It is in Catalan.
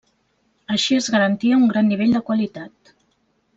Així es garantia un gran nivell de qualitat.